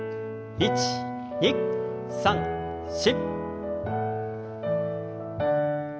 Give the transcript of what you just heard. １２３４。